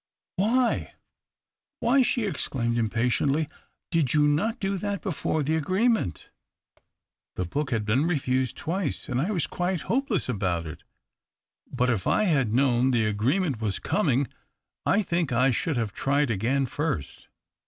" Why — why," she exclaimed impatiently, " did you not do that before the agreement ?"" The l)Ook had been refused twice, and I was quite hopeless about it. But if I had THE OCTAVE OF CLAUDIUS. 233 known that the aoreement was comino , I think I should have tried again first.